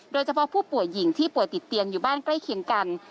โดยเฉพาะผู้ป่วยหญิงที่ป่วยติดเตียงอยู่บ้านใกล้เคียงกัน